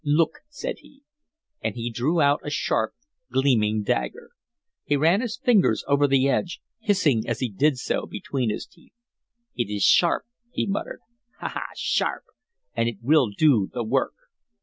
"Look," said he. And he drew out a sharp, gleaming dagger! He ran his fingers over the edge, hissing as he did so between his teeth. "It is sharp," he muttered. "Ha! ha! sharp! And it will do the work."